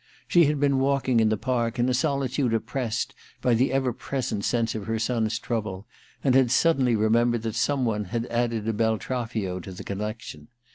She had been walking in the Park, in a solitude oppressed by the ever present sense of her son's trouble, and had suddenly remembered that some one had added a Beltraffio to the : collection.